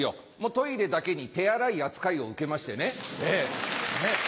トイレだけにテアライ扱いを受けましてね。